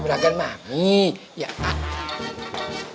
juragan mami ya tante